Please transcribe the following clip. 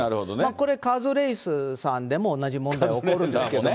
これ、カズレーザーさんでも同じ問題起こるんですけどね。